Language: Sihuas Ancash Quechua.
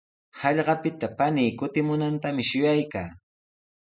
Hallqapita panii kutimunantami shuyaykaa.